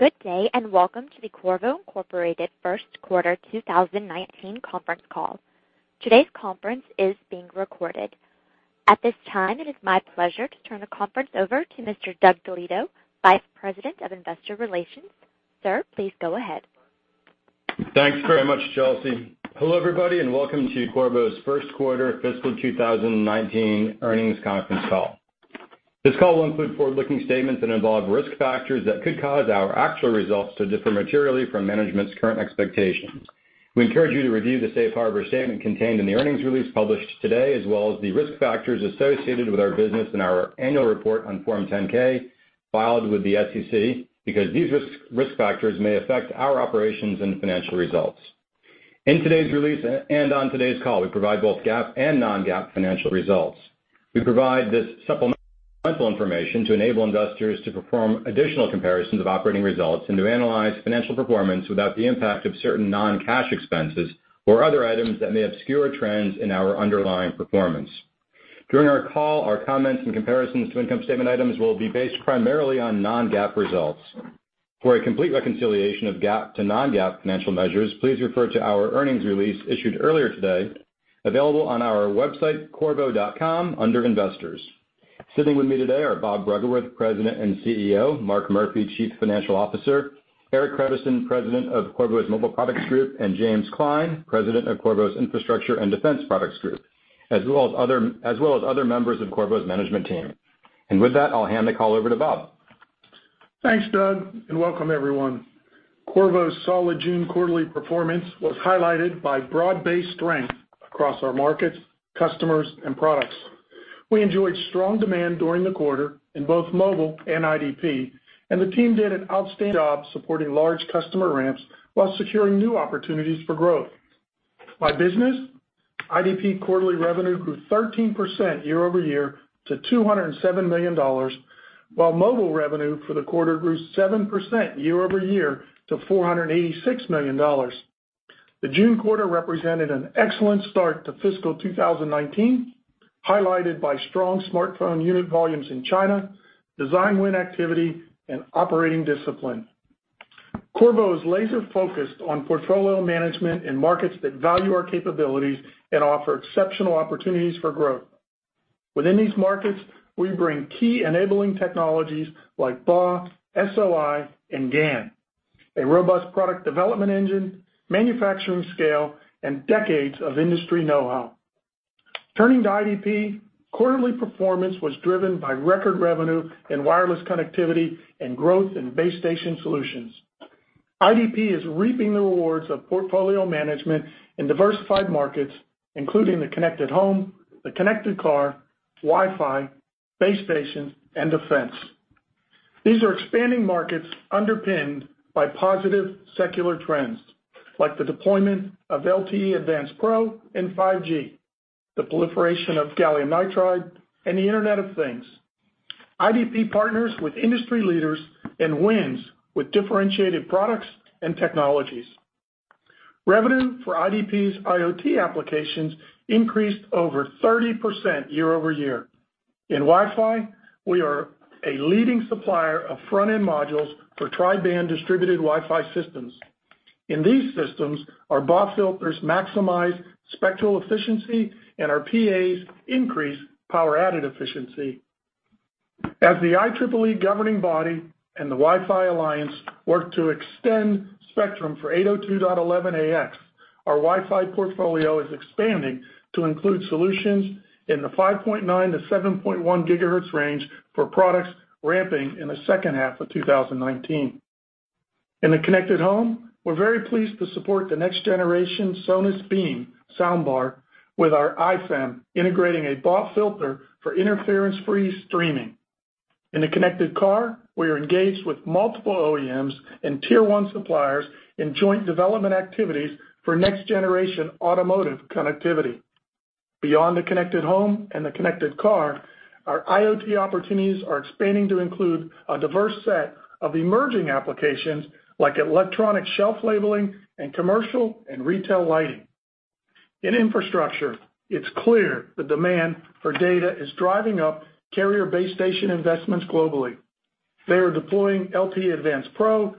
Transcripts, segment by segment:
Good day, welcome to the Qorvo, Inc. First Quarter 2019 Conference Call. Today's conference is being recorded. At this time, it is my pleasure to turn the conference over to Mr. Douglas DeLieto, Vice President of Investor Relations. Sir, please go ahead. Thanks very much, Chelsea. Hello, everybody, welcome to Qorvo's first quarter fiscal 2019 earnings conference call. This call will include forward-looking statements that involve risk factors that could cause our actual results to differ materially from management's current expectations. We encourage you to review the safe harbor statement contained in the earnings release published today, as well as the risk factors associated with our business in our annual report on Form 10-K filed with the SEC, because these risk factors may affect our operations and financial results. In today's release and on today's call, we provide both GAAP and non-GAAP financial results. We provide this supplemental information to enable investors to perform additional comparisons of operating results and to analyze financial performance without the impact of certain non-cash expenses or other items that may obscure trends in our underlying performance. During our call, our comments and comparisons to income statement items will be based primarily on non-GAAP results. For a complete reconciliation of GAAP to non-GAAP financial measures, please refer to our earnings release issued earlier today, available on our website, qorvo.com, under Investors. Sitting with me today are Bob Bruggeworth, President and Chief Executive Officer, Mark Murphy, Chief Financial Officer, Eric Creviston, President of Qorvo's Mobile Products Group, and James Klein, President of Qorvo's Infrastructure and Defense Products group, as well as other members of Qorvo's management team. With that, I'll hand the call over to Bob. Thanks, Doug, welcome everyone. Qorvo's solid June quarterly performance was highlighted by broad-based strength across our markets, customers, and products. We enjoyed strong demand during the quarter in both Mobile and IDP, and the team did an outstanding job supporting large customer ramps while securing new opportunities for growth. By business, IDP quarterly revenue grew 13% year-over-year to $207 million, while Mobile revenue for the quarter grew 7% year-over-year to $486 million. The June quarter represented an excellent start to fiscal 2019, highlighted by strong smartphone unit volumes in China, design win activity, and operating discipline. Qorvo is laser-focused on portfolio management in markets that value our capabilities and offer exceptional opportunities for growth. Within these markets, we bring key enabling technologies like BAW, SOI, and GaN, a robust product development engine, manufacturing scale, and decades of industry know-how. Turning to IDP, quarterly performance was driven by record revenue in wireless connectivity and growth in base station solutions. IDP is reaping the rewards of portfolio management in diversified markets, including the connected home, the connected car, Wi-Fi, base station, and defense. These are expanding markets underpinned by positive secular trends, like the deployment of LTE Advanced Pro and 5G, the proliferation of gallium nitride, and the Internet of Things. IDP partners with industry leaders and wins with differentiated products and technologies. Revenue for IDP's IoT applications increased over 30% year-over-year. In Wi-Fi, we are a leading supplier of front-end modules for tri-band distributed Wi-Fi systems. In these systems, our BAW filters maximize spectral efficiency, and our PAs increase power added efficiency. The IEEE governing body and the Wi-Fi Alliance work to extend spectrum for 802.11ax, our Wi-Fi portfolio is expanding to include solutions in the 5.9-7.1 gigahertz range for products ramping in the second half of 2019. In the connected home, we're very pleased to support the next generation Sonos Beam soundbar with our iFEM, integrating a BAW filter for interference-free streaming. In the connected car, we are engaged with multiple OEMs and tier 1 suppliers in joint development activities for next generation automotive connectivity. Beyond the connected home and the connected car, our IoT opportunities are expanding to include a diverse set of emerging applications like electronic shelf labeling and commercial and retail lighting. In infrastructure, it's clear the demand for data is driving up carrier base station investments globally. They are deploying LTE Advanced Pro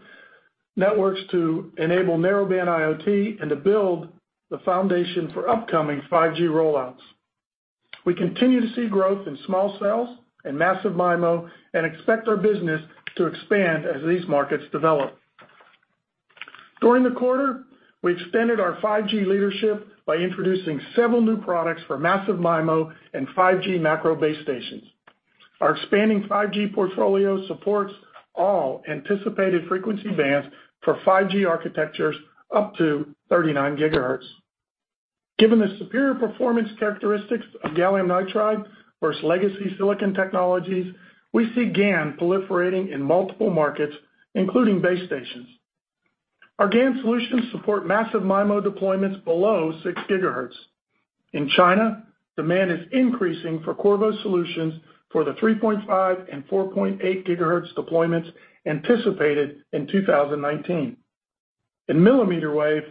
networks to enable narrowband IoT and to build the foundation for upcoming 5G rollouts. We continue to see growth in small cells and massive MIMO and expect our business to expand as these markets develop. During the quarter, we extended our 5G leadership by introducing several new products for massive MIMO and 5G macro base stations. Our expanding 5G portfolio supports all anticipated frequency bands for 5G architectures up to 39 gigahertz. Given the superior performance characteristics of gallium nitride versus legacy silicon technologies, we see GaN proliferating in multiple markets, including base stations. Our GaN solutions support massive MIMO deployments below six gigahertz. In China, demand is increasing for Qorvo solutions for the 3.5 and 4.8 gigahertz deployments anticipated in 2019. In millimeter wave,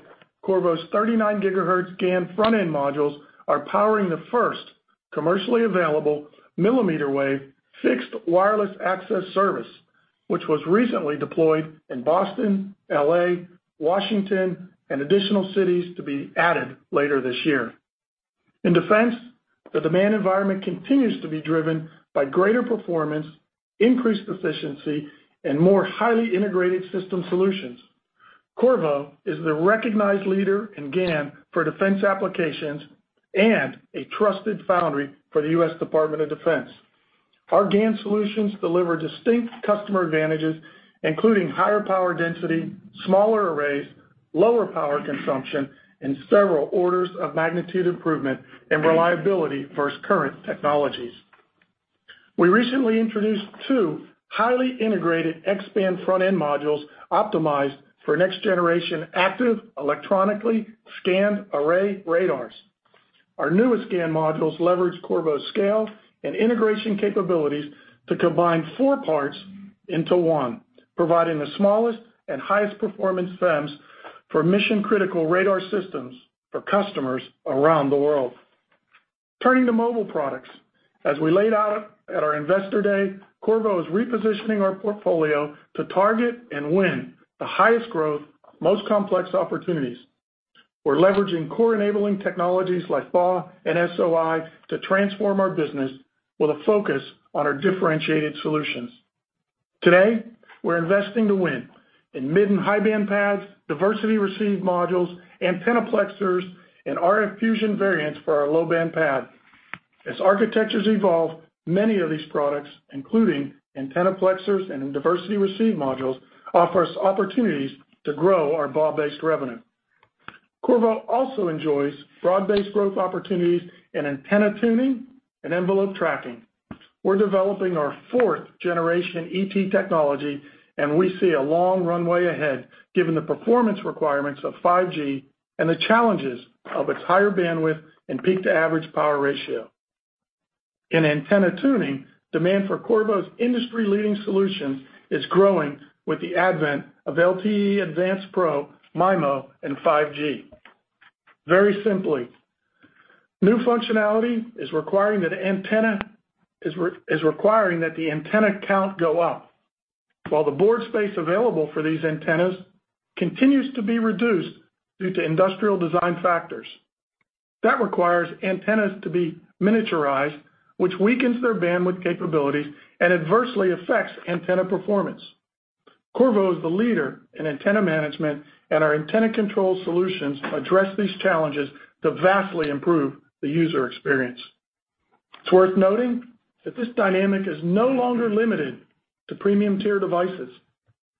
Qorvo's 39 gigahertz GaN front-end modules are powering the first commercially available millimeter wave fixed wireless access service, which was recently deployed in Boston, L.A., Washington, and additional cities to be added later this year. In defense, the demand environment continues to be driven by greater performance, increased efficiency, and more highly integrated system solutions. Qorvo is the recognized leader in GaN for defense applications and a trusted foundry for the U.S. Department of Defense. Our GaN solutions deliver distinct customer advantages, including higher power density, smaller arrays, lower power consumption, and several orders of magnitude improvement in reliability versus current technologies. We recently introduced two highly integrated X band front-end modules optimized for next generation active electronically scanned array radars. Our newest scan modules leverage Qorvo's scale and integration capabilities to combine four parts into one, providing the smallest and highest performance FEMs for mission-critical radar systems for customers around the world. Turning to Mobile Products, as we laid out at our investor day, Qorvo is repositioning our portfolio to target and win the highest growth, most complex opportunities. We're leveraging core enabling technologies like BAW and SOI to transform our business with a focus on our differentiated solutions. Today, we're investing to win in mid and high band PAs, diversity receive modules, antennaplexers, and RF Fusion variants for our low-band PAs. As architectures evolve, many of these products, including antennaplexers and diversity receive modules, offer us opportunities to grow our BAW-based revenue. Qorvo also enjoys broad-based growth opportunities in antenna tuning and envelope tracking. We're developing our fourth generation ET technology, and we see a long runway ahead given the performance requirements of 5G and the challenges of its higher bandwidth and peak to average power ratio. In antenna tuning, demand for Qorvo's industry-leading solution is growing with the advent of LTE Advanced Pro, MIMO, and 5G. Very simply, new functionality is requiring that the antenna count go up, while the board space available for these antennas continues to be reduced due to industrial design factors. That requires antennas to be miniaturized, which weakens their bandwidth capabilities and adversely affects antenna performance. Qorvo is the leader in antenna management, and our antenna control solutions address these challenges to vastly improve the user experience. It's worth noting that this dynamic is no longer limited to premium-tier devices.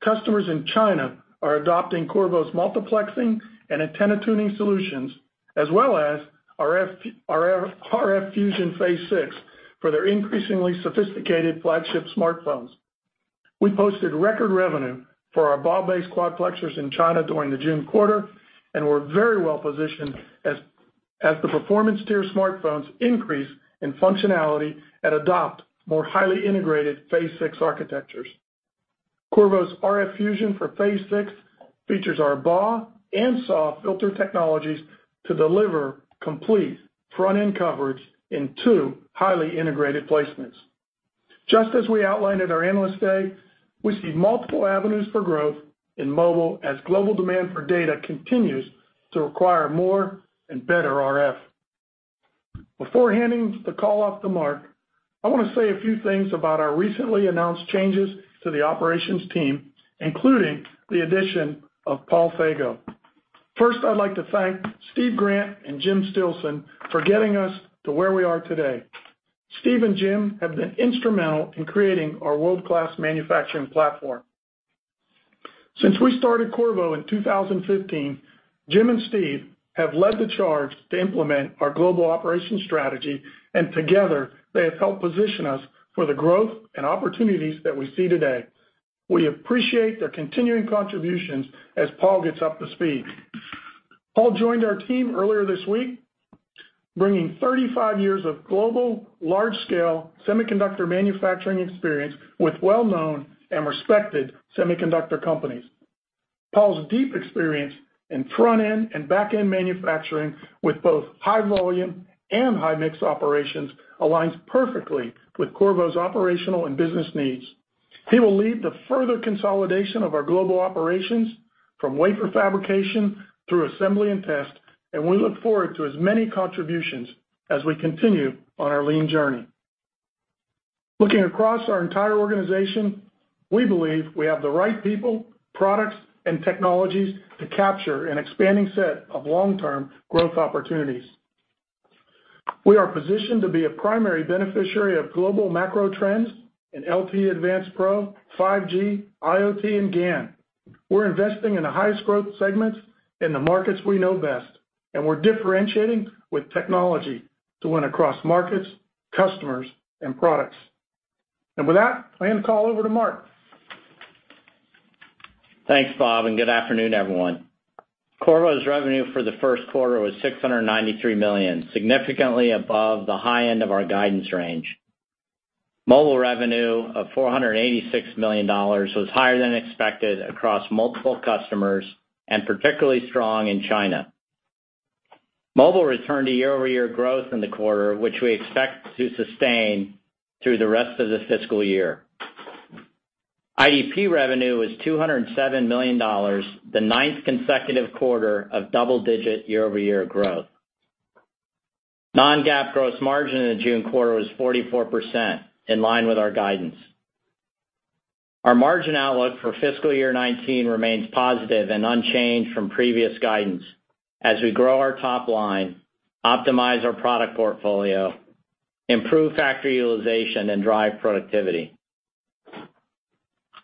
Customers in China are adopting Qorvo's multiplexing and antenna tuning solutions, as well as RF Fusion Phase 6 for their increasingly sophisticated flagship smartphones. We posted record revenue for our BAW-based quadplexers in China during the June quarter, and we're very well positioned as the performance tier smartphones increase in functionality and adopt more highly integrated Phase 6 architectures. Qorvo's RF Fusion for Phase 6 features our BAW and SAW filter technologies to deliver complete front-end coverage in two highly integrated placements. Just as we outlined at our analyst day, we see multiple avenues for growth in Mobile as global demand for data continues to require more and better RF. Before handing the call off to Mark, I want to say a few things about our recently announced changes to the operations team, including the addition of Paul Fego. First, I'd like to thank Steve Grant and Jim Stillson for getting us to where we are today. Steve and Jim have been instrumental in creating our world-class manufacturing platform. Since we started Qorvo in 2015, Jim and Steve have led the charge to implement our global operation strategy, and together they have helped position us for the growth and opportunities that we see today. We appreciate their continuing contributions as Paul gets up to speed. Paul joined our team earlier this week, bringing 35 years of global, large-scale semiconductor manufacturing experience with well-known and respected semiconductor companies. Paul's deep experience in front-end and back-end manufacturing with both high volume and high mix operations aligns perfectly with Qorvo's operational and business needs. He will lead the further consolidation of our global operations from wafer fabrication through assembly and test, we look forward to his many contributions as we continue on our lean journey. Looking across our entire organization, we believe we have the right people, products, and technologies to capture an expanding set of long-term growth opportunities. We are positioned to be a primary beneficiary of global macro trends in LTE Advanced Pro, 5G, IoT, and GaN. We're investing in the highest growth segments in the markets we know best, we're differentiating with technology to win across markets, customers, and products. With that, I hand the call over to Mark. Thanks, Bob. Good afternoon, everyone. Qorvo's revenue for the first quarter was $693 million, significantly above the high end of our guidance range. Mobile revenue of $486 million was higher than expected across multiple customers and particularly strong in China. Mobile returned to year-over-year growth in the quarter, which we expect to sustain through the rest of this fiscal year. IDP revenue was $207 million, the ninth consecutive quarter of double-digit year-over-year growth. Non-GAAP gross margin in the June quarter was 44%, in line with our guidance. Our margin outlook for fiscal year 2019 remains positive and unchanged from previous guidance as we grow our top line, optimize our product portfolio, improve factory utilization, and drive productivity.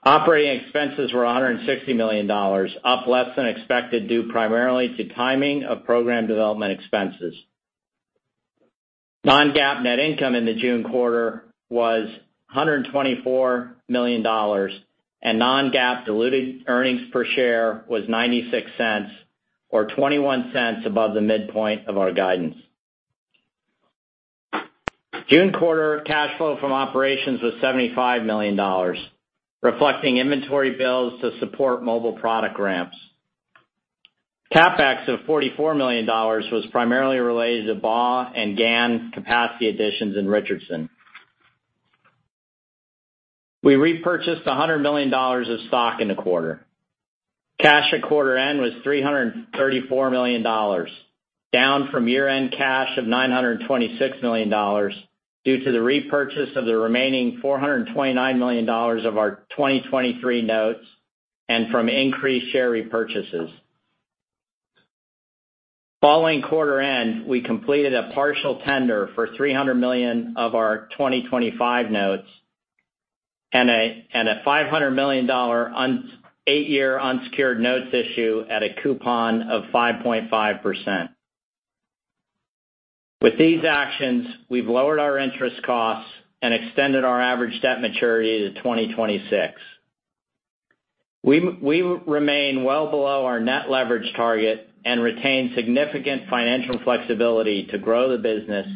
Operating expenses were $160 million, up less than expected due primarily to timing of program development expenses. Non-GAAP net income in the June quarter was $124 million, Non-GAAP diluted earnings per share was $0.96, or $0.21 above the midpoint of our guidance. June quarter cash flow from operations was $75 million, reflecting inventory bills to support mobile product ramps. CapEx of $44 million was primarily related to BAW and GaN capacity additions in Richardson. We repurchased $100 million of stock in the quarter. Cash at quarter end was $334 million, down from year-end cash of $926 million, due to the repurchase of the remaining $429 million of our 2023 notes and from increased share repurchases. Following quarter end, we completed a partial tender for $300 million of our 2025 notes and a $500 million eight-year unsecured notes issue at a coupon of 5.5%. These actions, we've lowered our interest costs and extended our average debt maturity to 2026. We remain well below our net leverage target and retain significant financial flexibility to grow the business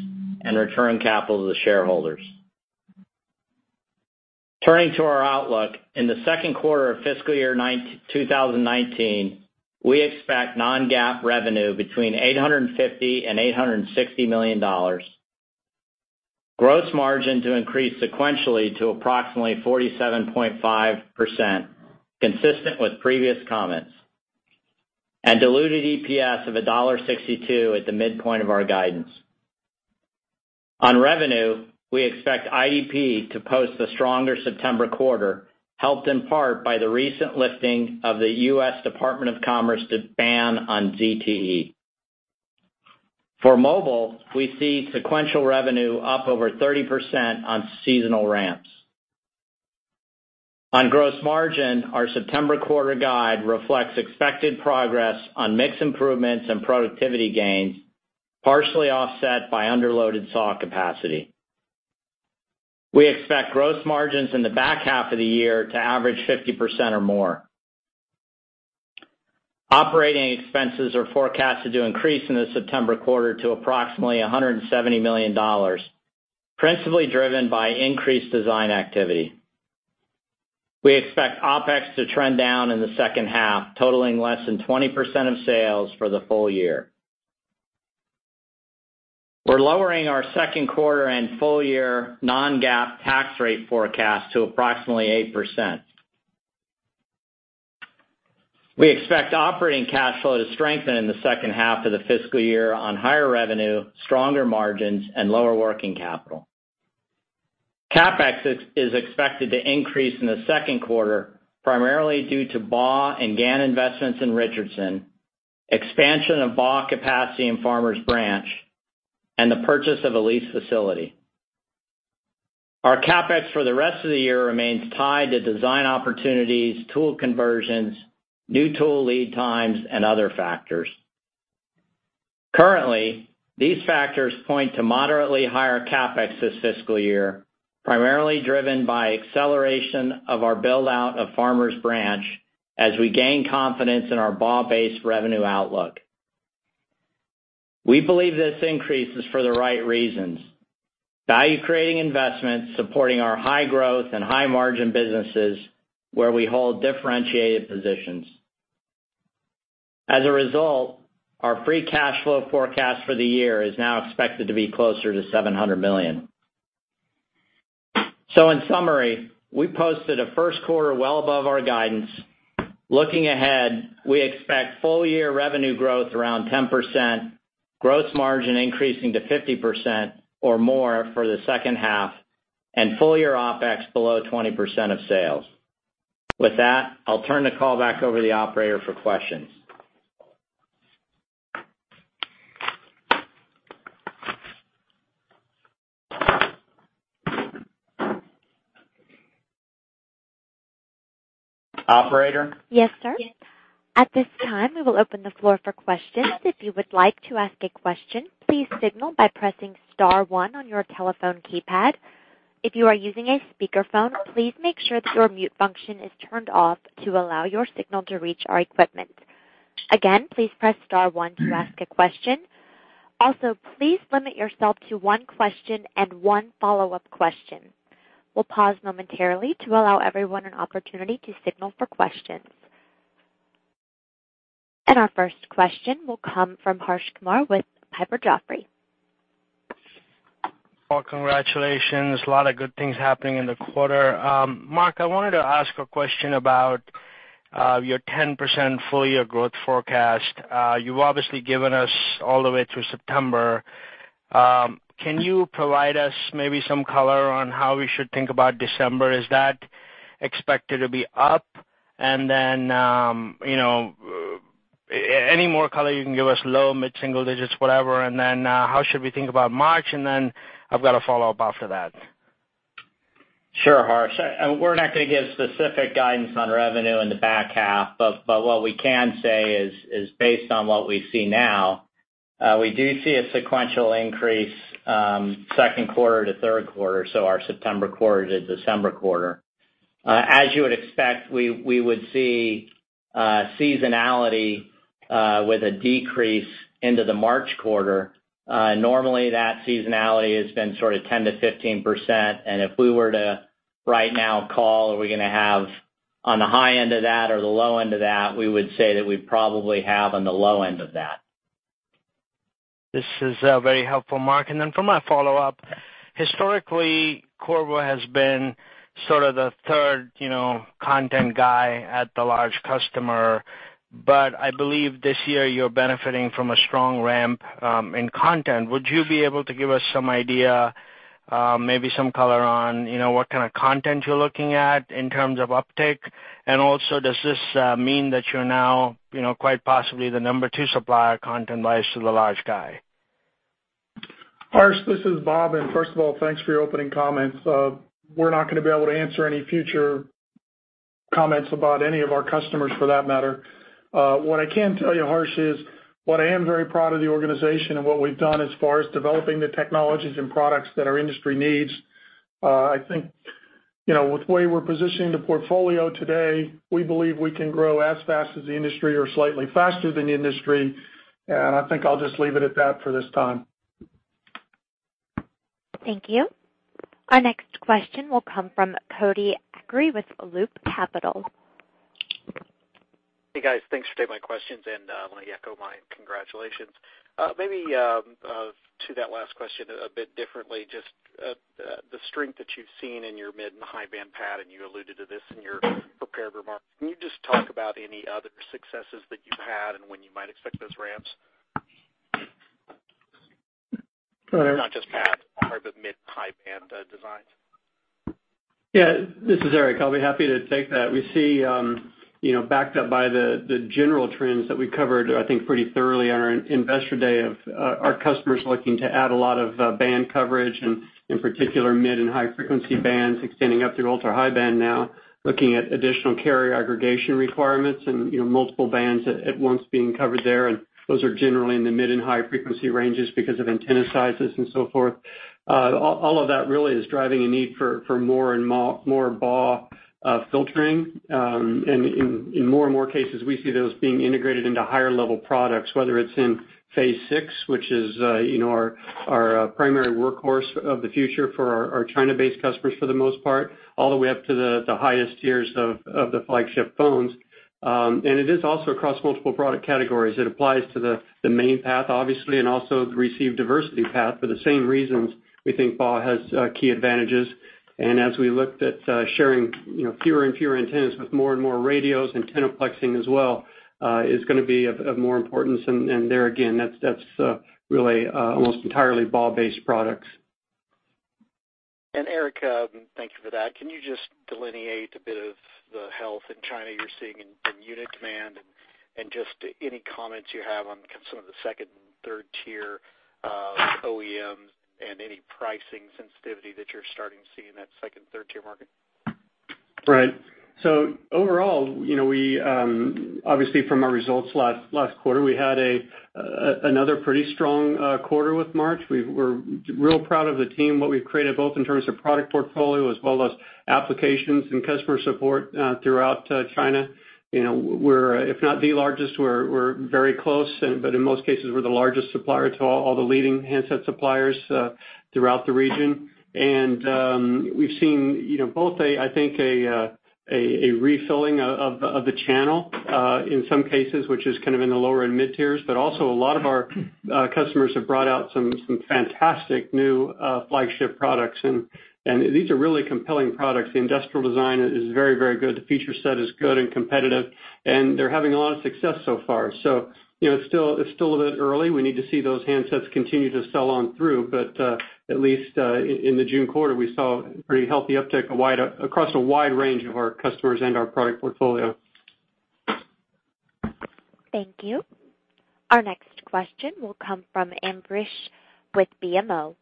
and return capital to the shareholders. Turning to our outlook. In the second quarter of fiscal year 2019, we expect non-GAAP revenue between $850 million-$860 million, gross margin to increase sequentially to approximately 47.5%, consistent with previous comments, diluted EPS of $1.62 at the midpoint of our guidance. On revenue, we expect IDP to post a stronger September quarter, helped in part by the recent lifting of the U.S. Department of Commerce ban on ZTE. For mobile, we see sequential revenue up over 30% on seasonal ramps. On gross margin, our September quarter guide reflects expected progress on mix improvements and productivity gains, partially offset by underloaded SAW capacity. We expect gross margins in the back half of the year to average 50% or more. Operating expenses are forecasted to increase in the September quarter to approximately $170 million, principally driven by increased design activity. We expect OpEx to trend down in the second half, totaling less than 20% of sales for the full year. We're lowering our second quarter and full year non-GAAP tax rate forecast to approximately 8%. We expect operating cash flow to strengthen in the second half of the fiscal year on higher revenue, stronger margins, and lower working capital. CapEx is expected to increase in the second quarter, primarily due to BAW and GaN investments in Richardson, expansion of BAW capacity in Farmers Branch, and the purchase of a leased facility. Our CapEx for the rest of the year remains tied to design opportunities, tool conversions, new tool lead times, and other factors. Currently, these factors point to moderately higher CapEx this fiscal year, primarily driven by acceleration of our build-out of Farmers Branch as we gain confidence in our BAW-based revenue outlook. We believe this increase is for the right reasons. Value-creating investments supporting our high-growth and high-margin businesses where we hold differentiated positions. As a result, our free cash flow forecast for the year is now expected to be closer to $700 million. In summary, we posted a first quarter well above our guidance. Looking ahead, we expect full-year revenue growth around 10%, gross margin increasing to 50% or more for the second half, and full-year OpEx below 20% of sales. With that, I'll turn the call back over to the operator for questions. Operator? Yes, sir. At this time, we will open the floor for questions. If you would like to ask a question, please signal by pressing star one on your telephone keypad. If you are using a speakerphone, please make sure that your mute function is turned off to allow your signal to reach our equipment. Again, please press star one to ask a question. Also, please limit yourself to one question and one follow-up question. We'll pause momentarily to allow everyone an opportunity to signal for questions. Our first question will come from Harsh Kumar with Piper Jaffray. Well, congratulations. A lot of good things happening in the quarter. Mark, I wanted to ask a question about your 10% full-year growth forecast. You've obviously given us all the way through September. Can you provide us maybe some color on how we should think about December? Is that expected to be up? Any more color you can give us, low, mid-single digits, whatever, and then how should we think about March? I've got a follow-up after that. Sure, Harsh. We're not going to give specific guidance on revenue in the back half, but what we can say is based on what we see now, we do see a sequential increase, second quarter to third quarter, so our September quarter to December quarter. You would expect, we would see seasonality with a decrease into the March quarter. Normally, that seasonality has been sort of 10%-15%. If we were to right now call, are we going to have on the high end of that or the low end of that, we would say that we'd probably have on the low end of that. This is very helpful, Mark. For my follow-up, historically, Qorvo has been sort of the third content guy at the large customer, but I believe this year you're benefiting from a strong ramp in content. Would you be able to give us some idea, maybe some color on what kind of content you're looking at in terms of uptake? Also, does this mean that you're now quite possibly the number two supplier of content wise to the large guy? Harsh, this is Bob. First of all, thanks for your opening comments. We're not going to be able to answer any future comments about any of our customers for that matter. What I can tell you, Harsh, is what I am very proud of the organization and what we've done as far as developing the technologies and products that our industry needs. I think, with the way we're positioning the portfolio today, we believe we can grow as fast as the industry or slightly faster than the industry. I think I'll just leave it at that for this time. Thank you. Our next question will come from Cody Acree with Loop Capital. Hey, guys. Thanks for taking my questions and let me echo my congratulations. Maybe to that last question a bit differently, just the strength that you've seen in your mid and high band PAs, and you alluded to this in your prepared remarks. Can you just talk about any other successes that you've had and when you might expect those ramps? Go ahead. Not just PAs, part of the mid-high band designs. Yeah. This is Eric. I'll be happy to take that. We see, backed up by the general trends that we covered, I think, pretty thoroughly on our investor day of our customers looking to add a lot of band coverage and in particular mid and high frequency bands extending up through ultra-high band now, looking at additional carrier aggregation requirements and multiple bands at once being covered there. Those are generally in the mid and high frequency ranges because of antenna sizes and so forth. All of that really is driving a need for more and more BAW filtering. In more and more cases, we see those being integrated into higher level products, whether it's in Phase 6, which is our primary workhorse of the future for our China-based customers, for the most part, all the way up to the highest tiers of the flagship phones. It is also across multiple product categories. It applies to the main path, obviously, and also the received diversity path for the same reasons we think BAW has key advantages. As we looked at sharing fewer and fewer antennas with more and more radios, antenna plexing as well is going to be of more importance. There again, that's really almost entirely BAW-based products. Eric, thank you for that. Can you just delineate a bit of the health in China you're seeing in unit demand and just any comments you have on some of the tier 2 and tier 3 OEMs and any pricing sensitivity that you're starting to see in that tier 2, tier 3 market? Right. Overall, obviously from our results last quarter, we had another pretty strong quarter with March. We're real proud of the team, what we've created, both in terms of product portfolio as well as applications and customer support throughout China. We're, if not the largest, we're very close, but in most cases, we're the largest supplier to all the leading handset suppliers throughout the region. We've seen both, I think, a refilling of the channel, in some cases, which is kind of in the lower and mid-tiers, but also a lot of our customers have brought out some fantastic new flagship products, and these are really compelling products. The industrial design is very, very good. The feature set is good and competitive, and they're having a lot of success so far. It's still a bit early. We need to see those handsets continue to sell on through. At least in the June quarter, we saw pretty healthy uptick across a wide range of our customers and our product portfolio. Thank you. Our next question will come from Ambrish with BMO.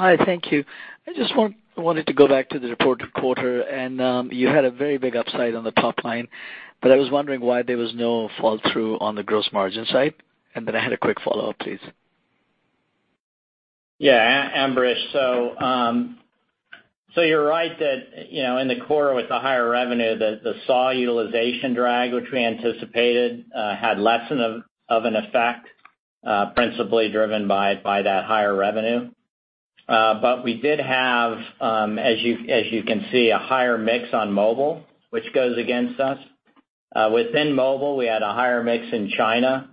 Hi, thank you. I just wanted to go back to the reported quarter. You had a very big upside on the top line, but I was wondering why there was no fall through on the gross margin side. I had a quick follow-up, please. Yeah, Ambrish. You're right that in the quarter with the higher revenue, the SAW utilization drag, which we anticipated, had less of an effect principally driven by that higher revenue. We did have, as you can see, a higher mix on mobile, which goes against us. Within mobile, we had a higher mix in China.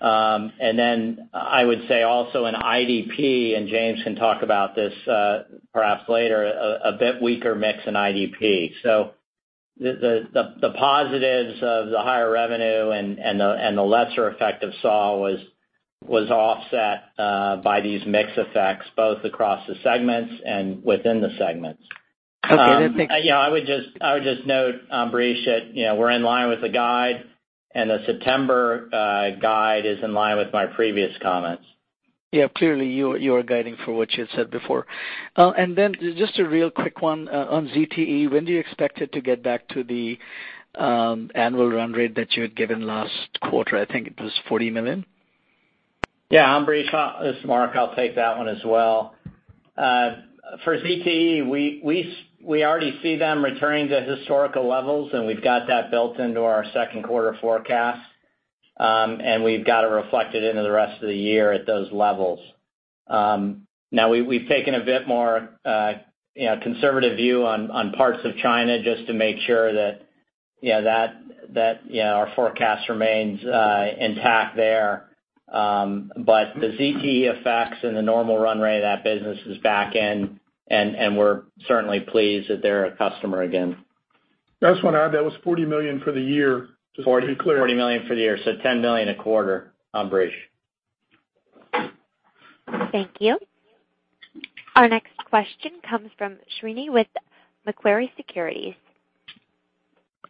I would say also in IDP, and James can talk about this perhaps later, a bit weaker mix in IDP. The positives of the higher revenue and the lesser effect of SAW was offset by these mix effects, both across the segments and within the segments. Okay, let me- I would just note, Ambrish, that we're in line with the guide, and the September guide is in line with my previous comments. Yeah, clearly you are guiding for what you had said before. Just a real quick one on ZTE. When do you expect it to get back to the annual run rate that you had given last quarter? I think it was $40 million. Yeah. Ambrish, this is Mark, I'll take that one as well. For ZTE, we already see them returning to historical levels, and we've got that built into our second quarter forecast. We've got it reflected into the rest of the year at those levels. Now we've taken a bit more conservative view on parts of China just to make sure that our forecast remains intact there. The ZTE effects and the normal run rate of that business is back in, and we're certainly pleased that they're a customer again. Just want to add, that was $40 million for the year, just to be clear. $40 million for the year, so $10 million a quarter, Ambrish. Thank you. Our next question comes from Srini with Macquarie Securities.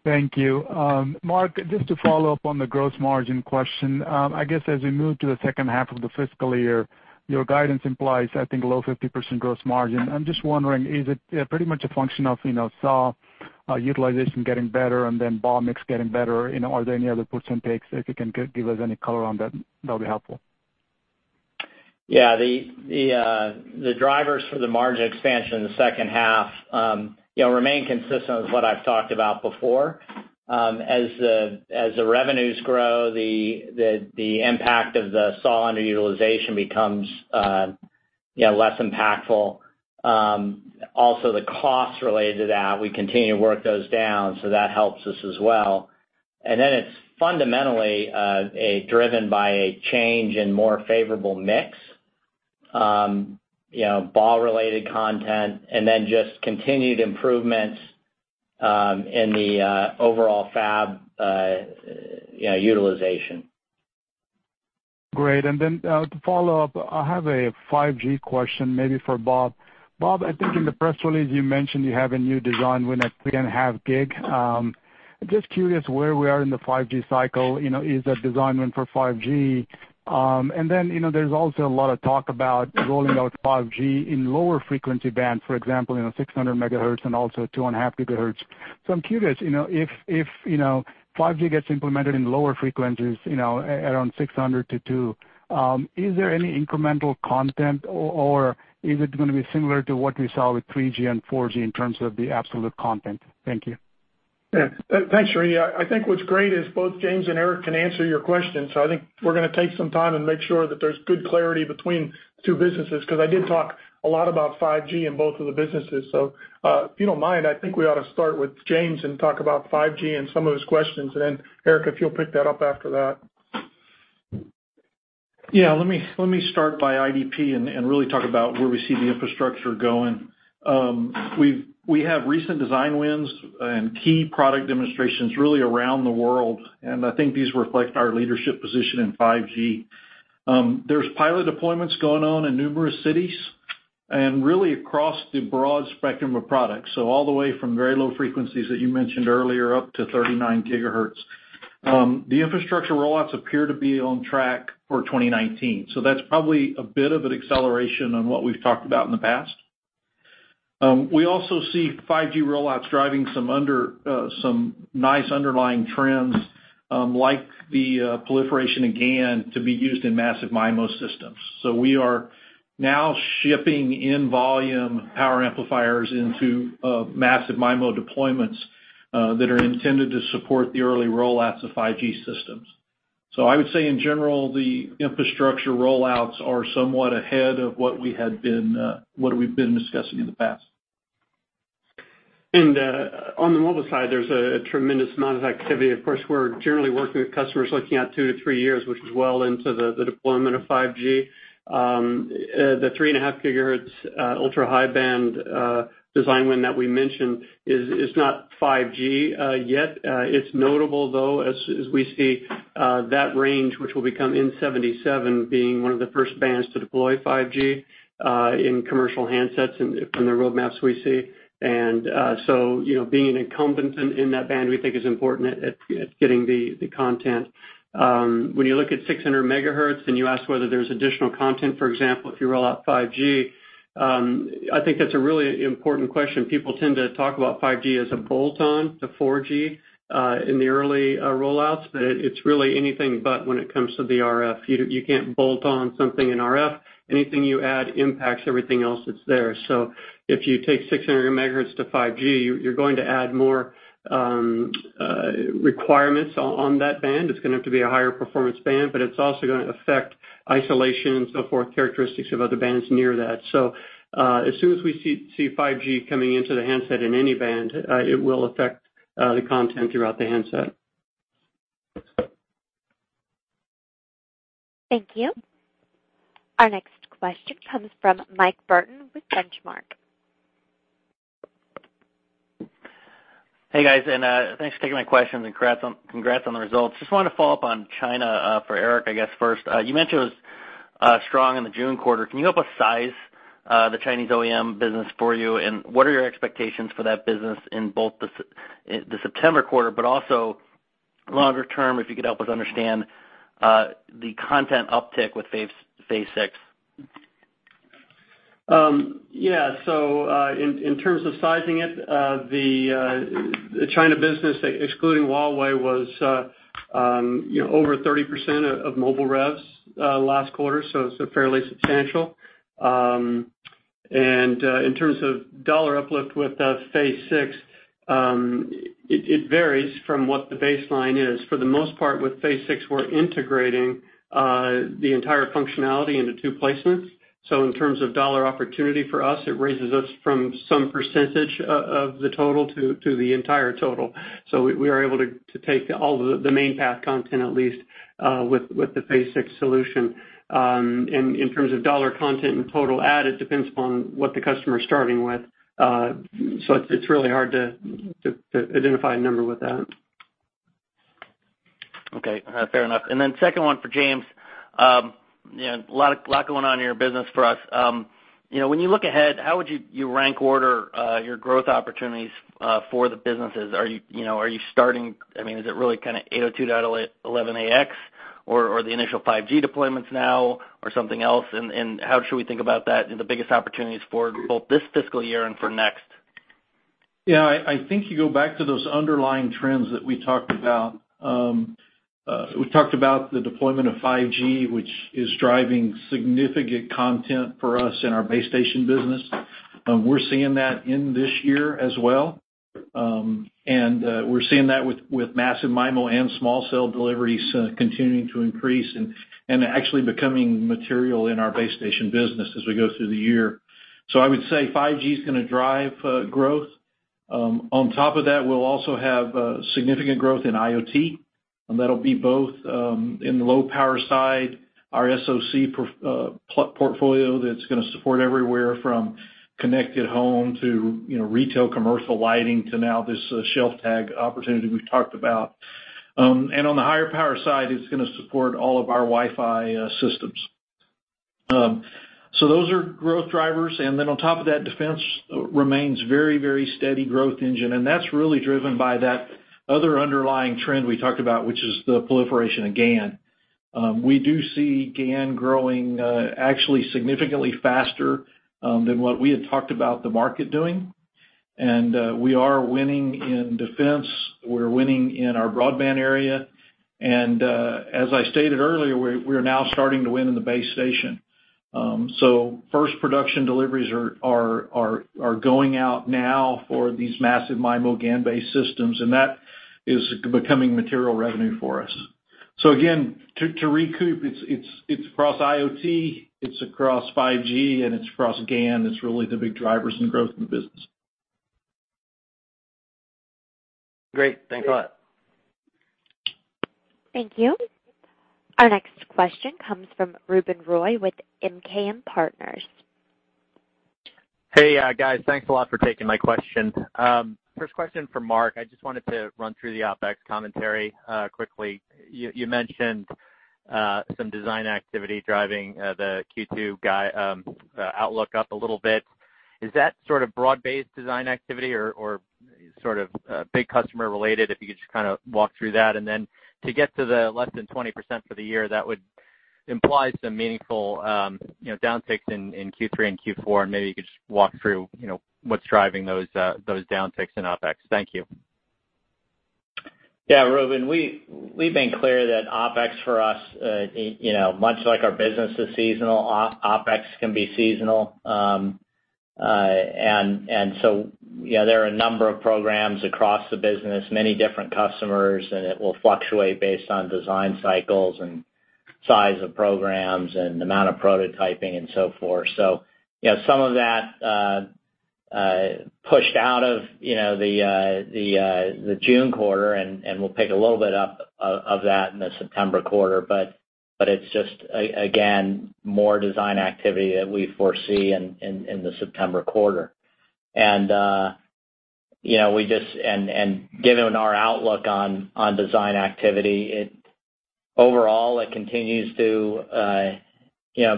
Thank you. Mark, just to follow up on the gross margin question. I guess as we move to the second half of the fiscal year, your guidance implies, I think, low 50% gross margin. I'm just wondering, is it pretty much a function of SAW utilization getting better and then BAW mix getting better? Are there any other puts and takes? If you can give us any color on that'll be helpful. Yeah. The drivers for the margin expansion in the second half remain consistent with what I've talked about before. As the revenues grow, the impact of the SAW underutilization becomes less impactful. The costs related to that, we continue to work those down, so that helps us as well. It's fundamentally driven by a change in more favorable mix, BAW related content, and then just continued improvements in the overall fab utilization. Great. To follow up, I have a 5G question maybe for Bob. Bob, I think in the press release you mentioned you have a new design win at 3.5 GHz. I'm just curious where we are in the 5G cycle, is that design win for 5G? There's also a lot of talk about rolling out 5G in lower frequency band, for example, 600 MHz and also 2.5 GHz. I'm curious, if 5G gets implemented in lower frequencies around 600 MHz to 2 GHz, is there any incremental content or is it going to be similar to what we saw with 3G and 4G in terms of the absolute content? Thank you. Thanks, Srini. I think what's great is both James and Eric can answer your question. I think we're going to take some time and make sure that there's good clarity between the two businesses, because I did talk a lot about 5G in both of the businesses. If you don't mind, I think we ought to start with James and talk about 5G and some of those questions. Eric, if you'll pick that up after that. Let me start by IDP and really talk about where we see the infrastructure going. We have recent design wins and key product demonstrations really around the world, and I think these reflect our leadership position in 5G. There's pilot deployments going on in numerous cities and really across the broad spectrum of products, all the way from very low frequencies that you mentioned earlier, up to 39 GHz. The infrastructure rollouts appear to be on track for 2019, that's probably a bit of an acceleration on what we've talked about in the past. We also see 5G rollouts driving some nice underlying trends, like the proliferation of GaN to be used in massive MIMO systems. We are now shipping in volume power amplifiers into massive MIMO deployments that are intended to support the early rollouts of 5G systems. I would say in general, the infrastructure rollouts are somewhat ahead of what we've been discussing in the past. On the mobile side, there's a tremendous amount of activity. Of course, we're generally working with customers looking out two to three years, which is well into the deployment of 5G. The 3.5 gigahertz ultra-high band design win that we mentioned is not 5G yet. It's notable though, as we see that range, which will become N77, being one of the first bands to deploy 5G in commercial handsets from the roadmaps we see. Being an incumbent in that band, we think is important at getting the content. When you look at 600 megahertz, and you ask whether there's additional content, for example, if you roll out 5G I think that's a really important question. People tend to talk about 5G as a bolt-on to 4G in the early rollouts, but it's really anything but when it comes to the RF. You can't bolt on something in RF. Anything you add impacts everything else that's there. If you take 600 megahertz to 5G, you're going to add more requirements on that band. It's going to have to be a higher performance band, but it's also going to affect isolation and so forth, characteristics of other bands near that. As soon as we see 5G coming into the handset in any band, it will affect the content throughout the handset. Thank you. Our next question comes from Mike Burton with Benchmark. Hey, guys, thanks for taking my questions, and congrats on the results. Just wanted to follow up on China for Eric, I guess first. You mentioned it was strong in the June quarter. Can you help us size the Chinese OEM business for you? What are your expectations for that business in both the September quarter but also longer term, if you could help us understand the content uptick with Phase 6? Yeah. In terms of sizing it, the China business, excluding Huawei, was over 30% of mobile revs last quarter, so it's fairly substantial. In terms of dollar uplift with Phase 6, it varies from what the baseline is. For the most part with Phase 6, we're integrating the entire functionality into two placements. In terms of dollar opportunity for us, it raises us from some percentage of the total to the entire total. We are able to take all the main path content, at least with the Phase 6 solution. In terms of dollar content and total add, it depends upon what the customer is starting with. It's really hard to identify a number with that. Okay, fair enough. Second one for James. A lot going on in your business for us. When you look ahead, how would you rank order your growth opportunities for the businesses? Is it really kind of 802.11ax or the initial 5G deployments now or something else? How should we think about that and the biggest opportunities for both this fiscal year and for next? Yeah, I think you go back to those underlying trends that we talked about. We talked about the deployment of 5G, which is driving significant content for us in our base station business. We're seeing that in this year as well, and we're seeing that with massive MIMO and small cell deliveries continuing to increase and actually becoming material in our base station business as we go through the year. I would say 5G's going to drive growth. On top of that, we'll also have significant growth in IoT, and that'll be both in the low-power side, our SoC portfolio that's going to support everywhere from connected home to retail commercial lighting to now this shelf tag opportunity we've talked about. On the higher power side, it's going to support all of our Wi-Fi systems. Those are growth drivers. On top of that, defense remains very steady growth engine, and that's really driven by that other underlying trend we talked about, which is the proliferation of GaN. We do see GaN growing actually significantly faster than what we had talked about the market doing, and we are winning in defense. We're winning in our broadband area. As I stated earlier, we're now starting to win in the base station. First production deliveries are going out now for these massive MIMO GaN-based systems, and that is becoming material revenue for us. Again, to recoup, it's across IoT, it's across 5G, and it's across GaN that's really the big drivers in growth in the business. Great. Thanks a lot. Thank you. Our next question comes from Ruben Roy with MKM Partners. Hey, guys. Thanks a lot for taking my questions. First question for Mark, I just wanted to run through the OpEx commentary quickly. You mentioned some design activity driving the Q2 outlook up a little bit. Is that sort of broad-based design activity or sort of big customer related? If you could just kind of walk through that. And then to get to the less than 20% for the year, that would imply some meaningful downticks in Q3 and Q4, and maybe you could just walk through what's driving those downticks in OpEx. Thank you. Yeah, Ruben, we've been clear that OpEx for us, much like our business is seasonal, OpEx can be seasonal. So there are a number of programs across the business, many different customers, and it will fluctuate based on design cycles and size of programs and amount of prototyping and so forth. Some of that pushed out of the June quarter, and we'll pick a little bit up of that in the September quarter. It's just, again, more design activity that we foresee in the September quarter. Given our outlook on design activity, overall, it continues to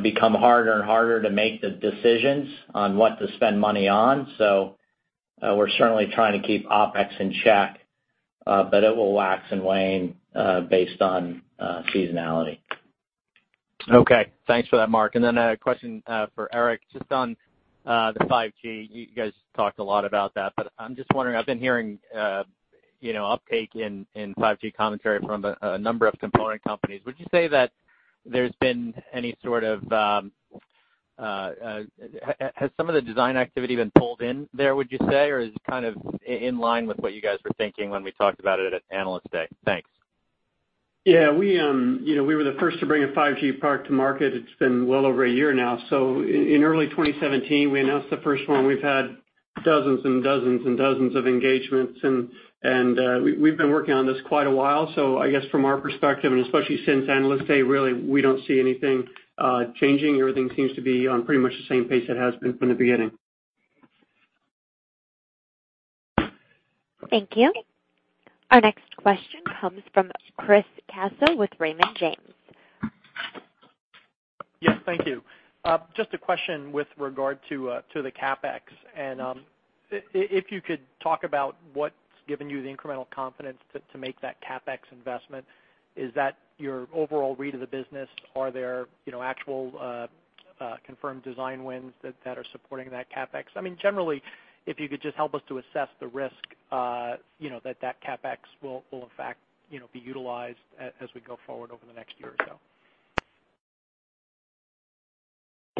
become harder and harder to make the decisions on what to spend money on. We're certainly trying to keep OpEx in check It will wax and wane based on seasonality. Okay. Thanks for that, Mark. Then a question for Eric, just on the 5G. You guys talked a lot about that, but I'm just wondering, I've been hearing uptake in 5G commentary from a number of component companies. Would you say that there's been any sort of, has some of the design activity been pulled in there, would you say, or is it in line with what you guys were thinking when we talked about it at Analyst Day? Thanks. Yeah. We were the first to bring a 5G part to market. It's been well over a year now. In early 2017, we announced the first one. We've had dozens and dozens and dozens of engagements, and we've been working on this quite a while. I guess from our perspective, and especially since Analyst Day, really, we don't see anything changing. Everything seems to be on pretty much the same pace it has been from the beginning. Thank you. Our next question comes from Chris Caso with Raymond James. Yes, thank you. Just a question with regard to the CapEx, and if you could talk about what's given you the incremental confidence to make that CapEx investment. Is that your overall read of the business? Are there actual confirmed design wins that are supporting that CapEx? I mean, generally, if you could just help us to assess the risk that that CapEx will in fact be utilized as we go forward over the next year or so.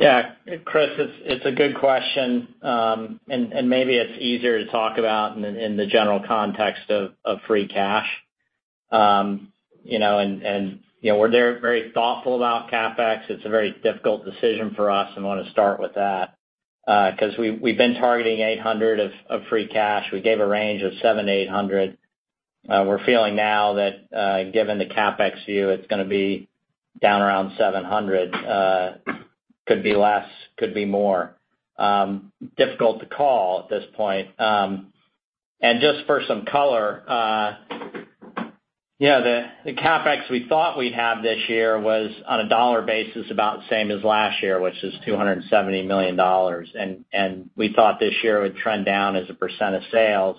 Yeah. Chris, it's a good question. Maybe it's easier to talk about in the general context of free cash. We're very thoughtful about CapEx. It's a very difficult decision for us, I want to start with that. Because we've been targeting $800 of free cash. We gave a range of seven to $800. We're feeling now that, given the CapEx view, it's going to be down around $700. Could be less, could be more. Difficult to call at this point. Just for some color, the CapEx we thought we'd have this year was on a dollar basis about the same as last year, which is $270 million. We thought this year it would trend down as a % of sales.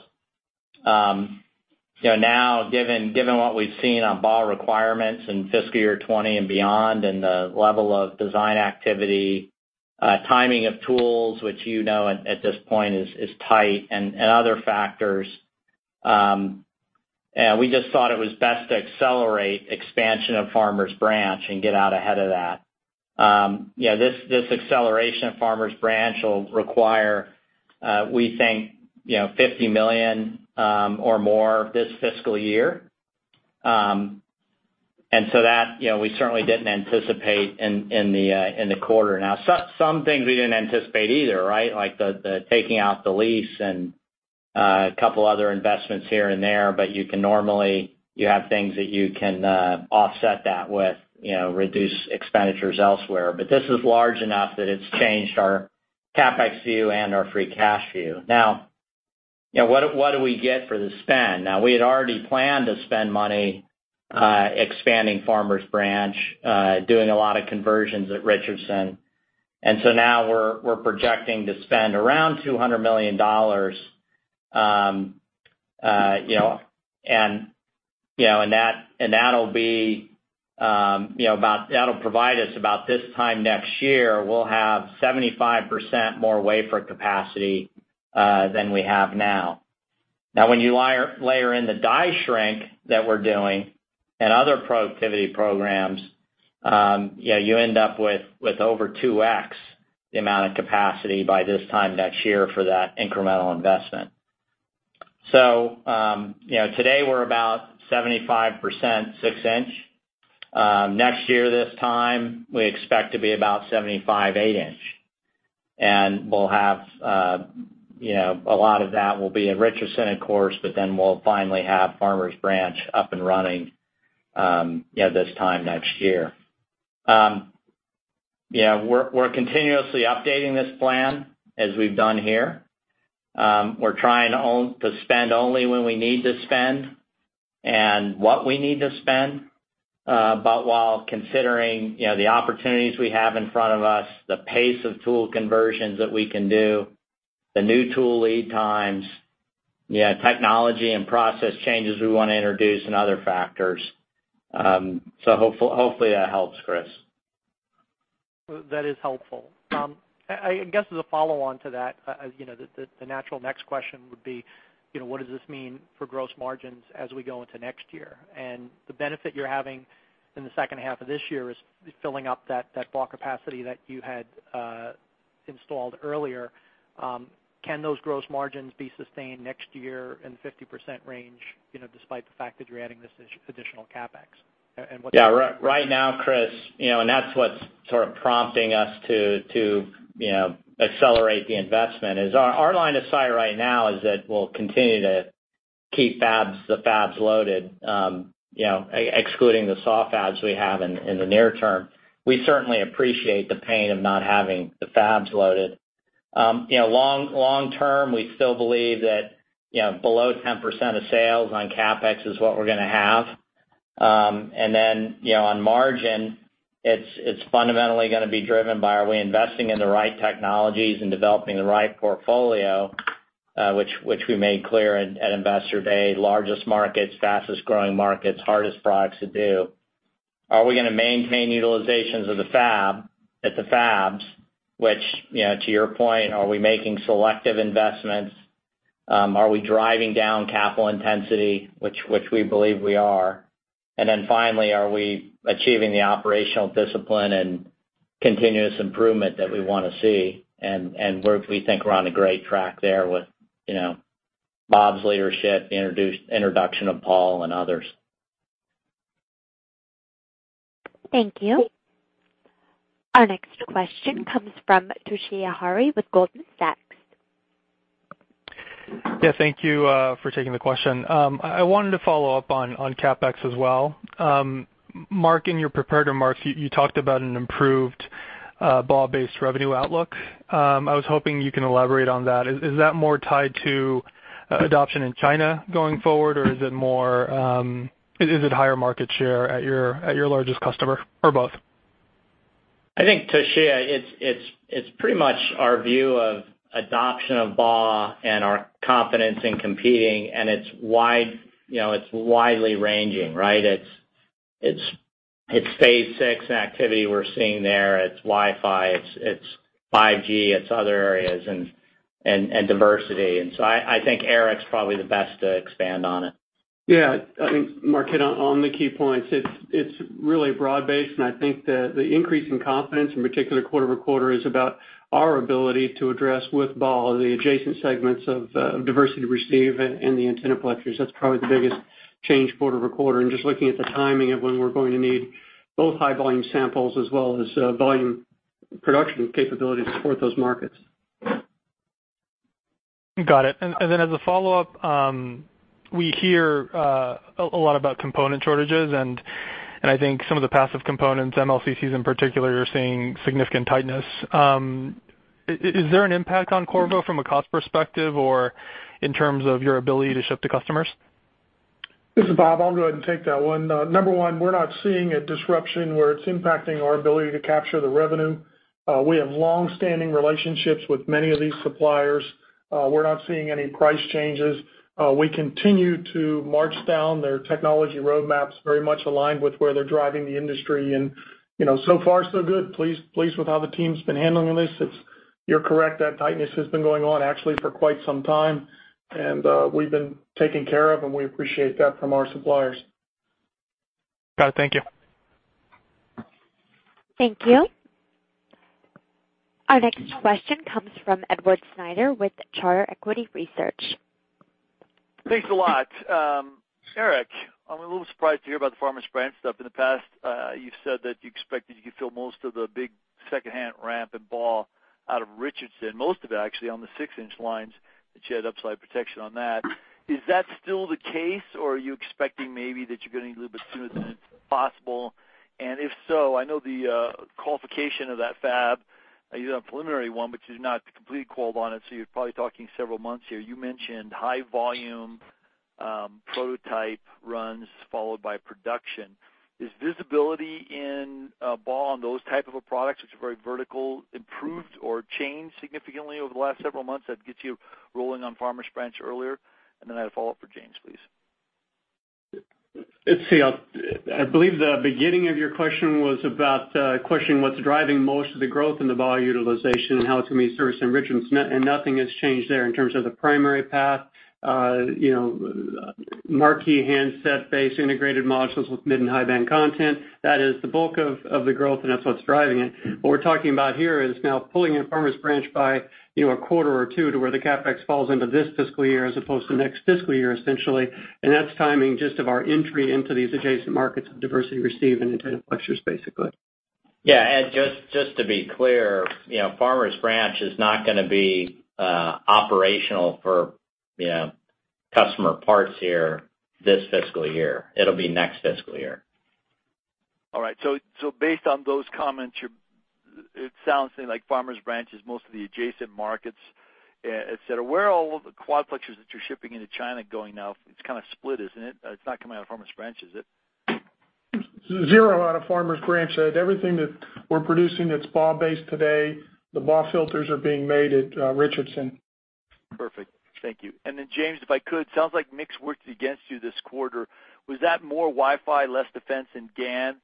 Now, given what we've seen on BAW requirements in FY 2020 and beyond, and the level of design activity, timing of tools, which you know at this point is tight, and other factors, we just thought it was best to accelerate expansion of Farmers Branch and get out ahead of that. This acceleration of Farmers Branch will require, we think, $50 million or more this fiscal year. That we certainly didn't anticipate in the quarter. Now, some things we didn't anticipate either, right? Like the taking out the lease and a couple other investments here and there. You can normally, you have things that you can offset that with, reduce expenditures elsewhere. This is large enough that it's changed our CapEx view and our free cash view. Now, what do we get for the spend? Now, we had already planned to spend money expanding Farmers Branch, doing a lot of conversions at Richardson. Now we're projecting to spend around $200 million, and that'll provide us about this time next year, we'll have 75% more wafer capacity than we have now. Now, when you layer in the die shrink that we're doing and other productivity programs, you end up with over 2x the amount of capacity by this time next year for that incremental investment. Today we're about 75% six-inch. Next year this time, we expect to be about 75 eight-inch. A lot of that will be at Richardson, of course, we'll finally have Farmers Branch up and running this time next year. We're continuously updating this plan as we've done here. We're trying to spend only when we need to spend and what we need to spend, while considering the opportunities we have in front of us, the pace of tool conversions that we can do, the new tool lead times, technology and process changes we want to introduce, and other factors. Hopefully that helps, Chris. That is helpful. I guess as a follow-on to that, the natural next question would be, what does this mean for gross margins as we go into next year? The benefit you're having in the second half of this year is filling up that BAW capacity that you had installed earlier. Can those gross margins be sustained next year in the 50% range, despite the fact that you're adding this additional CapEx? Yeah. Right now, Chris, that's what's sort of prompting us to accelerate the investment, is our line of sight right now is that we'll continue to keep the fabs loaded, excluding the SAW fabs we have in the near term. We certainly appreciate the pain of not having the fabs loaded. Long term, we still believe that below 10% of sales on CapEx is what we're going to have. On margin, it's fundamentally going to be driven by are we investing in the right technologies and developing the right portfolio, which we made clear at Investor Day, largest markets, fastest-growing markets, hardest products to do. Are we going to maintain utilizations at the fabs, which, to your point, are we making selective investments? Are we driving down capital intensity? Which we believe we are. Finally, are we achieving the operational discipline and continuous improvement that we want to see? We think we're on a great track there with Bob's leadership, introduction of Paul, and others. Thank you. Our next question comes from Toshiya Hari with Goldman Sachs. Yeah, thank you for taking the question. I wanted to follow up on CapEx as well. Mark, in your prepared remarks, you talked about an improved BAW-based revenue outlook. I was hoping you can elaborate on that. Is that more tied to adoption in China going forward, or is it higher market share at your largest customer, or both? I think, Toshiya, it's pretty much our view of adoption of BAW and our confidence in competing, and it's widely ranging, right? It's Phase 6 activity we're seeing there. It's Wi-Fi, it's 5G, it's other areas, and diversity. So I think Eric's probably the best to expand on it. Yeah. I think, Mark, hit on the key points. It's really broad-based, and I think that the increase in confidence, in particular quarter-over-quarter, is about our ability to address with BAW the adjacent segments of diversity receive and the antennaplexers. That's probably the biggest change quarter-over-quarter, and just looking at the timing of when we're going to need both high volume samples as well as volume production capability to support those markets. As a follow-up, we hear a lot about component shortages, and I think some of the passive components, MLCCs in particular, are seeing significant tightness. Is there an impact on Qorvo from a cost perspective or in terms of your ability to ship to customers? This is Bob. I will go ahead and take that one. Number one, we are not seeing a disruption where it is impacting our ability to capture the revenue. We have long-standing relationships with many of these suppliers. We are not seeing any price changes. We continue to march down their technology roadmaps very much aligned with where they are driving the industry, and so far so good. Pleased with how the team has been handling this. You are correct that tightness has been going on actually for quite some time, and we have been taken care of, and we appreciate that from our suppliers. Got it. Thank you. Thank you. Our next question comes from Edward Snyder with Charter Equity Research. Thanks a lot. Eric, I'm a little surprised to hear about the Farmers Branch stuff. In the past, you've said that you expected you could fill most of the big second-half ramp and BAW out of Richardson, most of it actually on the 6-inch lines, that you had upside protection on that. Is that still the case, or are you expecting maybe that you're going to need a little bit sooner than possible? If so, I know the qualification of that fab, you have a preliminary one, but you're not completely qualified on it, so you're probably talking several months here. You mentioned high volume prototype runs followed by production. Is visibility in BAW on those type of a product, which is very vertical, improved or changed significantly over the last several months that gets you rolling on Farmers Branch earlier? Then I have a follow-up for James, please. Let's see. I believe the beginning of your question was about questioning what's driving most of the growth in the BAW utilization and how it's going to be serviced in Richardson, nothing has changed there in terms of the primary path. Marquee handset-based integrated modules with mid and high-band content, that is the bulk of the growth, that's what's driving it. What we're talking about here is now pulling in Farmers Branch by a quarter or two to where the CapEx falls into this fiscal year as opposed to next fiscal year, essentially. That's timing just of our entry into these adjacent markets of diversity receive and antennaplexers, basically. Yeah. Just to be clear, Farmers Branch is not going to be operational for customer parts here this fiscal year. It'll be next fiscal year. Based on those comments, it sounds to me like Farmers Branch is most of the adjacent markets, et cetera. Where are all of the quadplexers that you're shipping into China going now? It's kind of split, isn't it? It's not coming out of Farmers Branch, is it? Zero out of Farmers Branch. Everything that we're producing that's BAW-based today, the BAW filters are being made at Richardson. Perfect. Thank you. James, if I could, sounds like mix worked against you this quarter. Was that more Wi-Fi, less defense, and GaN?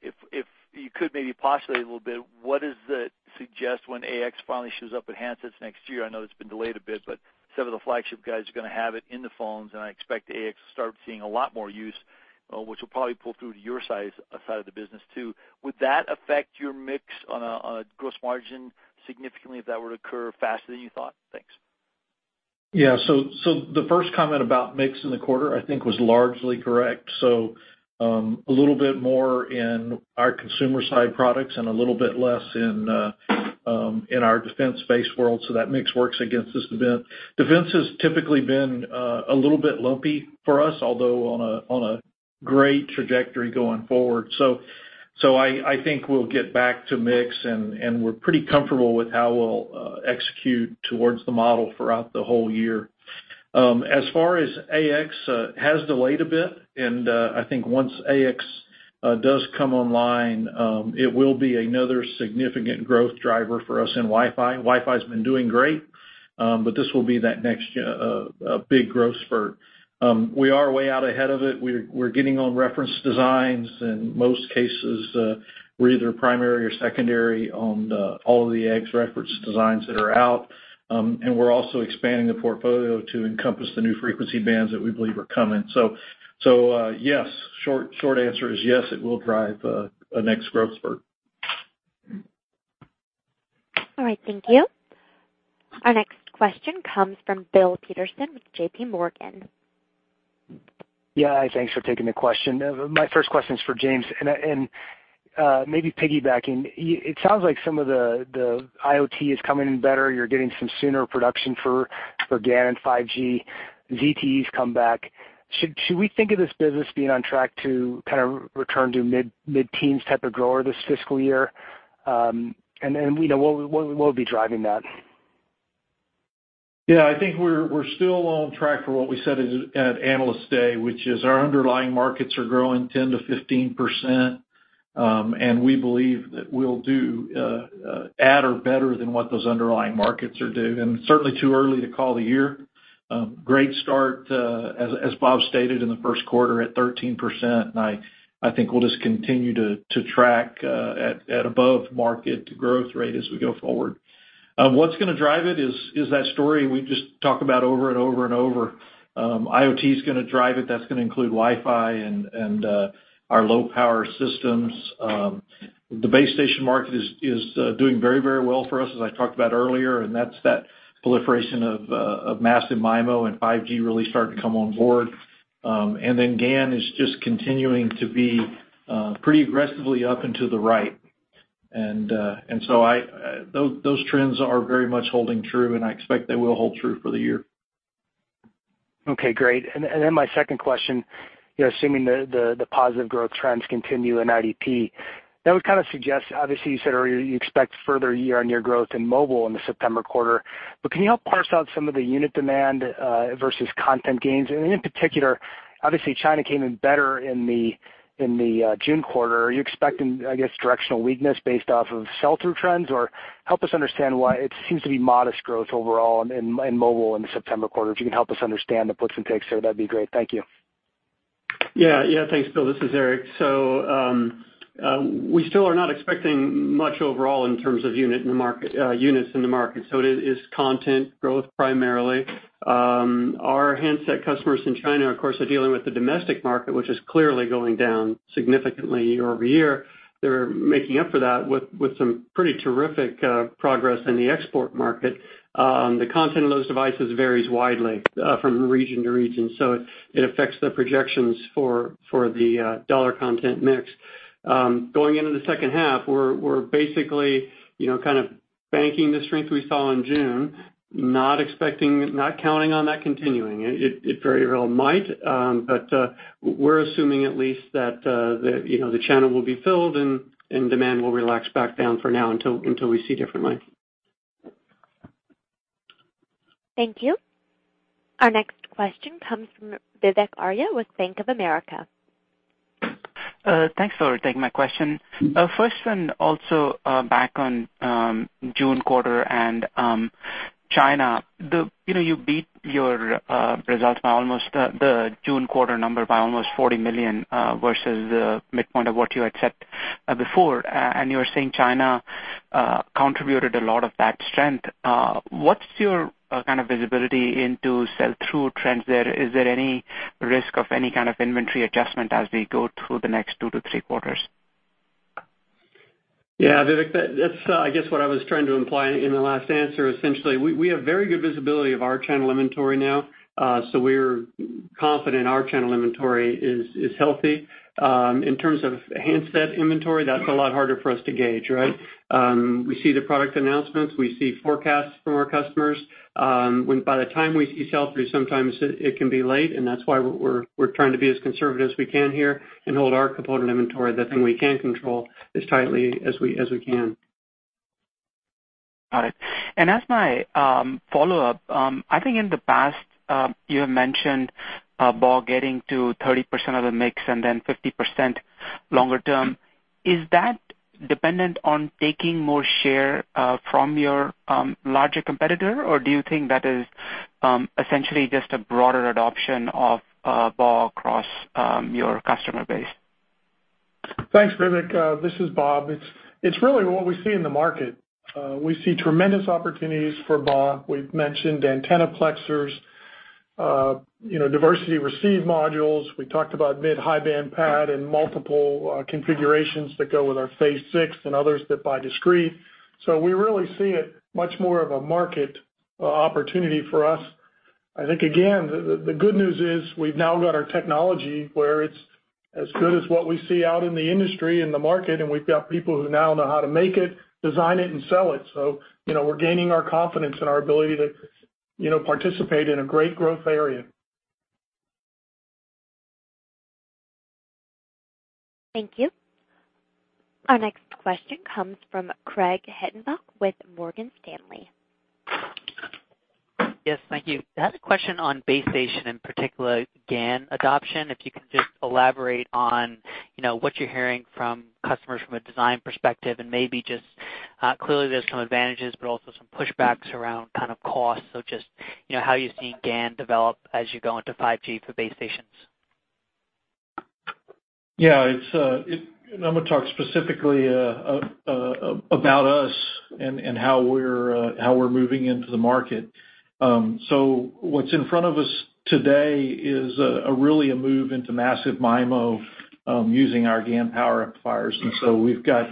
If you could maybe postulate a little bit, what does it suggest when AX finally shows up at handsets next year? I know that's been delayed a bit, but some of the flagship guys are going to have it in the phones, and I expect AX to start seeing a lot more use, which will probably pull through to your side of the business, too. Would that affect your mix on a gross margin significantly if that were to occur faster than you thought? Thanks. Yeah. The first comment about mix in the quarter, I think, was largely correct. A little bit more in our consumer side products and a little bit less in our defense-based world. That mix works against us a bit. Defense has typically been a little bit lumpy for us, although on a great trajectory going forward. I think we'll get back to mix, and we're pretty comfortable with how we'll execute towards the model throughout the whole year. As far as AX, it has delayed a bit, and I think once AX does come online, it will be another significant growth driver for us in Wi-Fi. Wi-Fi's been doing great, but this will be that next big growth spurt. We are way out ahead of it. We're getting on reference designs. In most cases, we're either primary or secondary on all of the AX reference designs that are out, and we're also expanding the portfolio to encompass the new frequency bands that we believe are coming. Short answer is yes, it will drive the next growth spurt. All right, thank you. Our next question comes from Bill Peterson with JPMorgan. Yeah. Thanks for taking the question. My first question's for James, and maybe piggybacking, it sounds like some of the IoT is coming in better. You're getting some sooner production for GaN and 5G. ZTE's come back. Should we think of this business being on track to kind of return to mid-teens type of growth this fiscal year? What will be driving that? Yeah, I think we're still on track for what we said at Analyst Day, which is our underlying markets are growing 10%-15%, and we believe that we'll do at or better than what those underlying markets are doing, and certainly too early to call the year. Great start, as Bob stated in the first quarter at 13%, and I think we'll just continue to track at above-market growth rate as we go forward. What's gonna drive it is that story we just talk about over and over. IoT's gonna drive it. That's gonna include Wi-Fi and our low power systems. The base station market is doing very well for us, as I talked about earlier, and that's that proliferation of massive MIMO and 5G really starting to come on board. GaN is just continuing to be pretty aggressively up and to the right. Those trends are very much holding true, and I expect they will hold true for the year. Okay, great. My second question, assuming the positive growth trends continue in IDP, that would kind of suggest, obviously, you said earlier you expect further year-on-year growth in mobile in the September quarter, but can you help parse out some of the unit demand versus content gains? In particular, obviously China came in better in the June quarter. Are you expecting, I guess, directional weakness based off of sell-through trends? Help us understand why it seems to be modest growth overall in mobile in the September quarter. If you can help us understand the puts and takes there, that'd be great. Thank you. Yeah. Thanks, Bill. This is Eric. We still are not expecting much overall in terms of units in the market. It is content growth primarily. Our handset customers in China, of course, are dealing with the domestic market, which is clearly going down significantly year-over-year. They're making up for that with some pretty terrific progress in the export market. The content of those devices varies widely from region to region, so it affects the projections for the dollar content mix. Going into the second half, we're basically kind of banking the strength we saw in June, not counting on that continuing. It very well might, but we're assuming at least that the channel will be filled and demand will relax back down for now until we see differently. Thank you. Our next question comes from Vivek Arya with Bank of America. Thanks for taking my question. First one, also back on June quarter and China. You beat your results by almost the June quarter number by almost $40 million, versus the midpoint of what you had set before. You were saying China contributed a lot of that strength. What's your kind of visibility into sell-through trends there? Is there any risk of any kind of inventory adjustment as we go through the next two to three quarters? Yeah, Vivek, that's I guess what I was trying to imply in the last answer. Essentially, we have very good visibility of our channel inventory now. We're confident our channel inventory is healthy. In terms of handset inventory, that's a lot harder for us to gauge, right? We see the product announcements, we see forecasts from our customers. By the time we see sell-through, sometimes it can be late, and that's why we're trying to be as conservative as we can here and hold our component inventory, the thing we can control, as tightly as we can. Got it. As my follow-up, I think in the past, you have mentioned BAW getting to 30% of the mix and then 50% longer term. Is that dependent on taking more share from your larger competitor, or do you think that is essentially just a broader adoption of BAW across your customer base? Thanks, Vivek. This is Bob. It's really what we see in the market. We see tremendous opportunities for BAW. We've mentioned antennaplexers, diversity receive modules. We talked about mid-high band PAD and multiple configurations that go with our Phase 6 and others that buy discrete. We really see it much more of a market opportunity for us. I think, again, the good news is we've now got our technology where it's as good as what we see out in the industry and the market, and we've got people who now know how to make it, design it, and sell it. We're gaining our confidence and our ability to participate in a great growth area. Thank you. Our next question comes from Craig Hettenbach with Morgan Stanley. Yes, thank you. I had a question on base station, in particular, GaN adoption. If you can just elaborate on what you're hearing from customers from a design perspective and maybe just, clearly there's some advantages, but also some pushbacks around cost. Just, how you see GaN develop as you go into 5G for base stations. I'm going to talk specifically about us and how we're moving into the market. What's in front of us today is really a move into massive MIMO using our GaN power amplifiers. We've got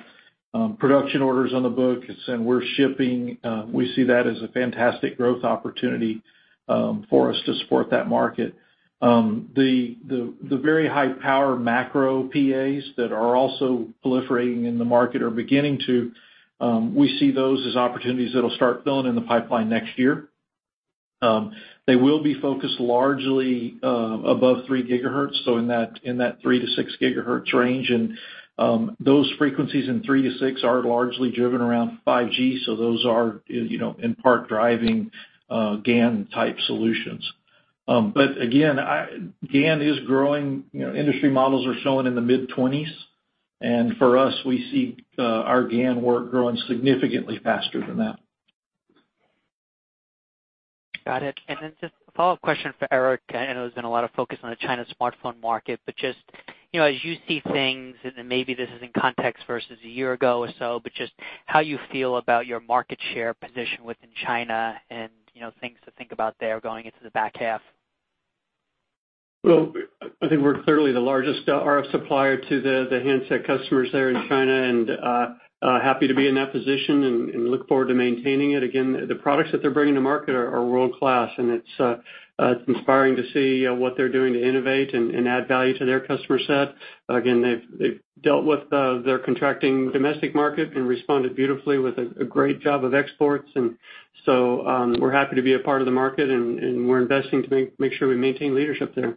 production orders on the books, and we're shipping. We see that as a fantastic growth opportunity for us to support that market. The very high-power macro PAs that are also proliferating in the market, or beginning to, we see those as opportunities that'll start filling in the pipeline next year. They will be focused largely above three gigahertz, so in that three to six gigahertz range. Those frequencies in three to six are largely driven around 5G, so those are in part driving GaN-type solutions. Again, GaN is growing. Industry models are showing in the mid-20s, and for us, we see our GaN work growing significantly faster than that. Got it. Just a follow-up question for Eric. I know there's been a lot of focus on the China smartphone market, but just as you see things, and maybe this is in context versus a year ago or so, but just how you feel about your market share position within China and things to think about there going into the back half. Well, I think we're clearly the largest RF supplier to the handset customers there in China, and happy to be in that position and look forward to maintaining it. Again, the products that they're bringing to market are world-class, and it's inspiring to see what they're doing to innovate and add value to their customer set. Again, they've dealt with their contracting domestic market and responded beautifully with a great job of exports, so we're happy to be a part of the market, and we're investing to make sure we maintain leadership there.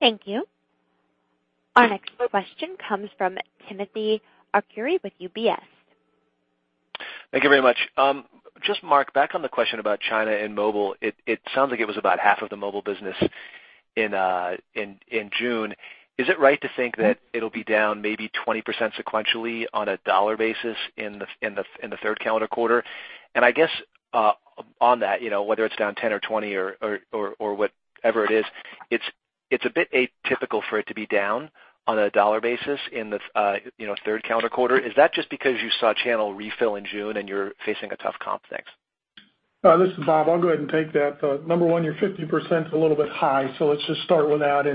Thank you. Our next question comes from Timothy Arcuri with UBS. Thank you very much. Just Mark, back on the question about China and mobile, it sounds like it was about half of the mobile business in June. Is it right to think that it'll be down maybe 20% sequentially on a dollar basis in the third calendar quarter? I guess on that, whether it's down 10 or 20 or whatever it is, it's a bit atypical for it to be down on a dollar basis in the third calendar quarter. Is that just because you saw channel refill in June and you're facing a tough comp? Thanks. This is Bob. I'll go ahead and take that. Number 1, your 50%'s a little bit high, so let's just start with that.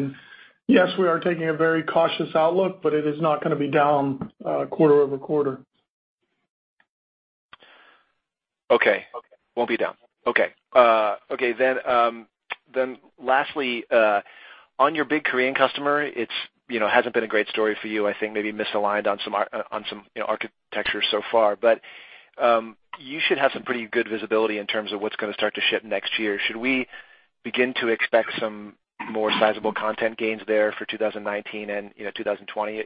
Yes, we are taking a very cautious outlook, but it is not gonna be down quarter-over-quarter. Okay. Won't be down. Okay. Lastly, on your big Korean customer, it hasn't been a great story for you. I think maybe misaligned on some architectures so far, but you should have some pretty good visibility in terms of what's gonna start to ship next year. Should we begin to expect some more sizable content gains there for 2019 and 2020?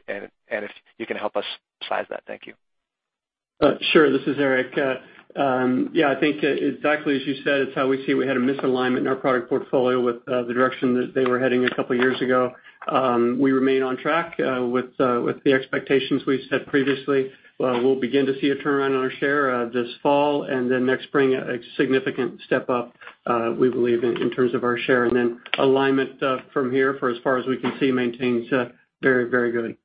If you can help us size that. Thank you. Sure. This is Eric. Yeah, I think exactly as you said, it's how we see we had a misalignment in our product portfolio with the direction that they were heading a couple of years ago. We remain on track with the expectations we've set previously. We'll begin to see a turnaround on our share this fall, next spring, a significant step up, we believe, in terms of our share. Alignment from here for as far as we can see maintains very, very good.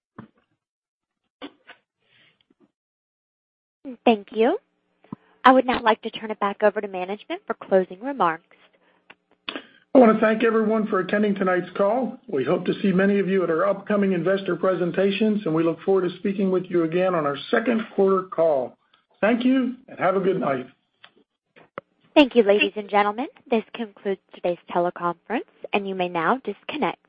Thank you. I would now like to turn it back over to management for closing remarks. I want to thank everyone for attending tonight's call. We hope to see many of you at our upcoming investor presentations, we look forward to speaking with you again on our second quarter call. Thank you, have a good night. Thank you, ladies and gentlemen. This concludes today's teleconference, and you may now disconnect.